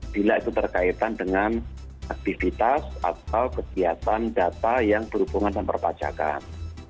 bila itu terkaitan dengan aktivitas atau kegiatan data yang berhubungan dengan perpajakan